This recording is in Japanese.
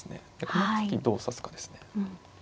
この時どう指すかですね。